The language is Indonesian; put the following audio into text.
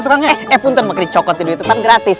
eh eh buntun mah kaya cokotin duit itu kan gratis